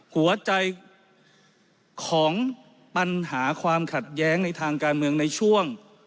หัวใจของปัญหาความขัดแย้งในทางการเมืองในช่วง